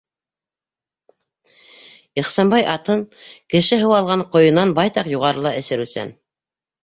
Ихсанбай атын кеше һыу алған ҡойонан байтаҡ юғарыла эсереүсән.